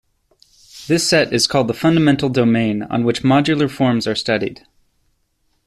This set is called the fundamental domain on which modular forms are studied.